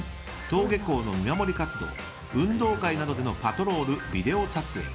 登下校の見守り活動運動会などでのパトロールビデオ撮影。